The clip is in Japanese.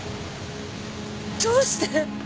どうして！？